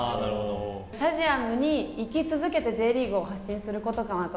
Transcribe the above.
スタジアムに行き続けて、Ｊリーグを発信することかなと。